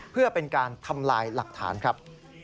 เพื่อเป็นการทำลายหลักฐานครับ